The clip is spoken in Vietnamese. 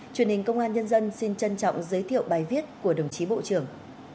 truyền hình công an nhân dân xin trân trọng giới thiệu bài viết của đồng chí bộ trưởng